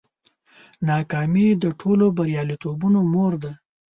ناکامي د ټولو بریالیتوبونو مور ده.